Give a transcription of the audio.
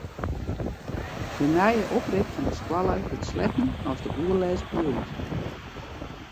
De nije oprit fan de skoalle wurdt sletten as de oerlêst bliuwt.